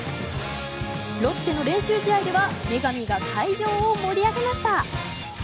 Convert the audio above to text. ロッテの練習試合では女神が会場を盛り上げました。